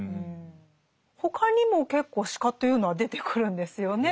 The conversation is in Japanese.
他にも結構鹿というのは出てくるんですよね。